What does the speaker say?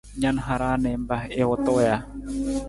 Na na hara niimpa i wutu ja?